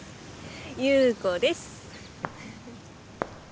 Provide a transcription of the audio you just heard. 裕子です。